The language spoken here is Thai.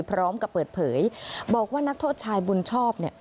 พร้อมกับเปิดเผยบอกว่านักโทษชายบุญชอบเนี่ย